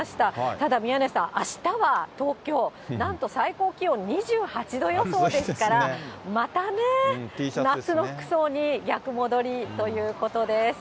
ただ、宮根さん、あしたは東京、なんと最高気温２８度予想ですから、またね、夏の服装に逆戻りということです。